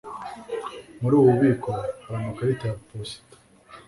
muri ubu bubiko hari amakarita ya posita